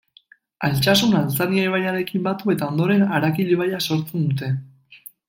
Altsasun Altzania ibaiarekin batu eta ondoren Arakil ibaia sortzen dute.